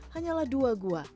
hanyalah dua goa